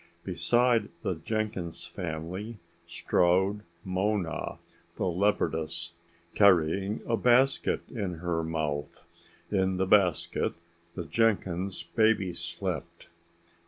Beside the Jenkins family strode Mona, the leopardess, carrying a basket in her mouth. In the basket the Jenkins' baby slept.